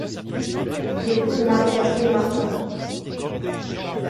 Il épouse Marie-Catherine Martin.